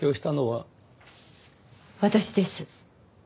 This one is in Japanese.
私です。